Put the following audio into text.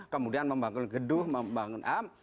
kemudian membangun geduh membangun